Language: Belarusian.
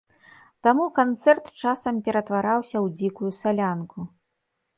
Таму канцэрт часам ператвараўся ў дзікую салянку.